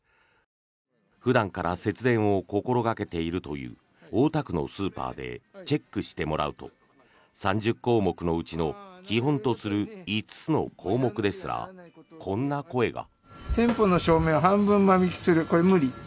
普段から節電を心掛けているという大田区のスーパーでチェックしてもらうと３０項目のうちの基本とする５つの項目ですらこんな声が。